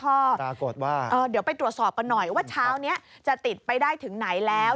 ปรากฏว่าเดี๋ยวไปตรวจสอบกันหน่อยว่าเช้านี้จะติดไปได้ถึงไหนแล้ว